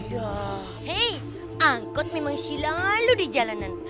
ya hey angkot memang selalu di jalanan